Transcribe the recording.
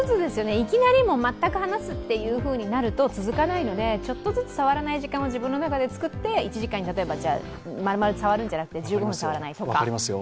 いきなり全く離すとなると続かないので、ちょっとずつ触らない時間を自分の中で作って、１時間に丸々触らないんじゃなくて１５分触らないとか。